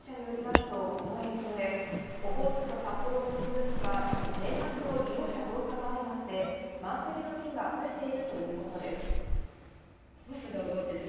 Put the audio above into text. バスの運行会社によりますと、この影響でオホーツクと札幌を結ぶ便は年末の利用者増加と相まって満席の便が増えているということです。